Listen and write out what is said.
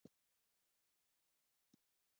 ایا زه باید د ادرار معاینه وکړم؟